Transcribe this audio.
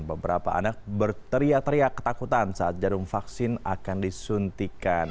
beberapa anak berteriak teriak ketakutan saat jarum vaksin akan disuntikan